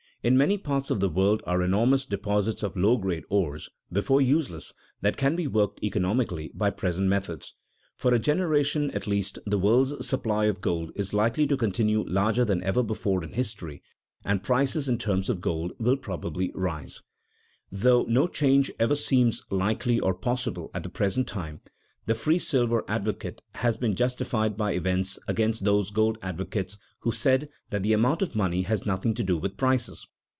In many parts of the world are enormous deposits of low grade ores, before useless, that can be worked economically by present methods. For a generation at least the world's supply of gold is likely to continue larger than ever before in history, and prices in terms of gold probably will rise. [Sidenote: Rising prices the temporary solution] Though no change seems likely or possible at the present time, the free silver advocate has been justified by events against those gold advocates who said that the amount of money has nothing to do with prices.